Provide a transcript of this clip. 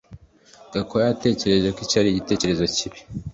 Gakwaya yatekereje ko icyo ari igitekerezo kibi